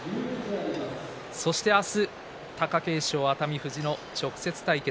そして明日、貴景勝と熱海富士の直接対決。